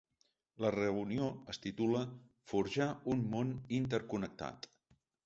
La reunió es titula ‘Forjar un món interconnectat’.